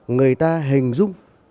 người ta hình dung